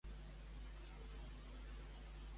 Quin és el títol de l'autobiografia de Campos?